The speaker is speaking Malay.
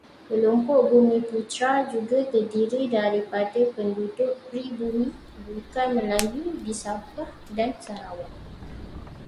Kelompok bumiputera juga terdiri daripada penduduk peribumi bukan Melayu di Sabah dan Sarawak.